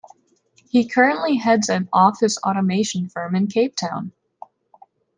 He currently heads an office automation firm in Cape Town.